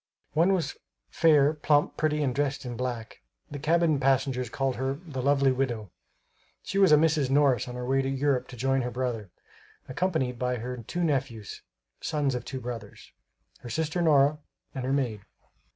One was fair, plump, pretty and dressed in black; the cabin passengers called her "the lovely Widow." She was a Mrs. Morris on her way to Europe to join her brother, accompanied by her two nephews (sons of two brothers), her sister Nora, and her maid.